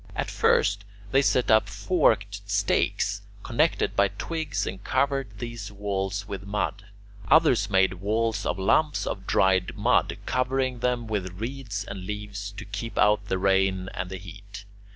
At first they set up forked stakes connected by twigs and covered these walls with mud. Others made walls of lumps of dried mud, covering them with reeds and leaves to keep out the rain and the heat.